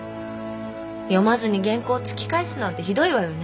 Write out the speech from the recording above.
読まずに原稿を突き返すなんてひどいわよね。